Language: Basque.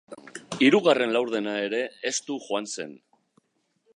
Hirugarren laurdena ere estu joan zen.